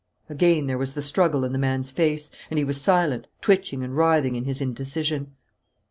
Again there was the struggle in the man's face, and he was silent, twitching and writhing in his indecision.'